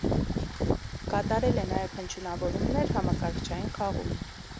Կատարել է նաև հնչյունավորումներ «» համակարգչային խաղում։